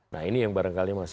nah ini yang barangkali masih